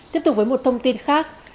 tiếp tục với một thông tin khác